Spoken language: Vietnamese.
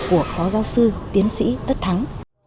của phó giáo sư tiến sĩ tất thắng